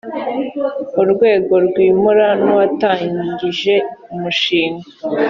urwego rwimura n’uwatangije umushinga